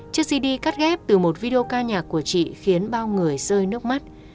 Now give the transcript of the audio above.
chiếc cd cắt ghép từ một video ca nhạc của chị khiến bao người rơi nước mắt